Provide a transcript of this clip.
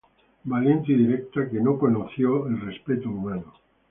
Valiente y directa, que no conoció el respeto humano.